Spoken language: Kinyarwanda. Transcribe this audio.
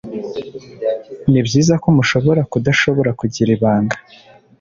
Nibyiza ko mushobora kudashobora kugira ibanga.